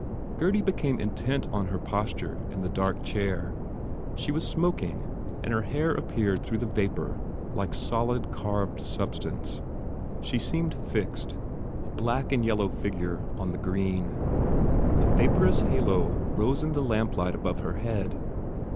Gurdy became intent on her posture in the dark chair. She was smoking and her hair appeared through the vapour like solid, carved substance. She seemed fixed, a black and yellow figure on the green. A vaporous halo rose in the lamplight above her head.